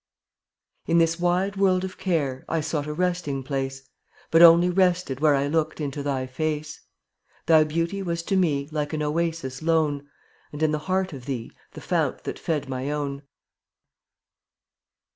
£)mar In this wide world of care I sought a resting place, / But only rested where I looked into thy face. Thy beauty was to me Like an oasis lone, And in the heart of thee The fount that fed my own.